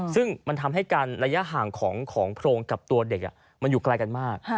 ซึ่งมันทำให้การระยะห่างของโพรงกับตัวเด็กมันอยู่ไกลกันมาก